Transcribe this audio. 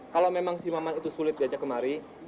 kalau memang si maman itu sulit diajak kemari